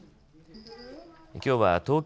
きょうは東京